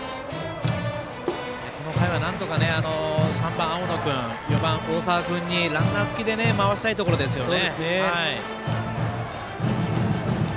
この回は、なんとか３番、青野君、４番、大澤君にランナー付きで回したいところですね。